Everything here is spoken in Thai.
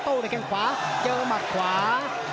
โต้ในแข้งขวาเจอมัดขวา